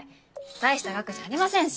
大した額じゃありませんし。